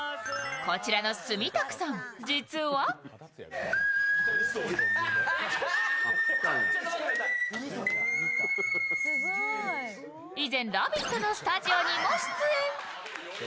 こちらの住宅さん、実は以前、「ラヴィット！」のスタジオにも出演。